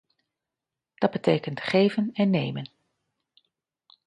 Dat betekent geven en nemen.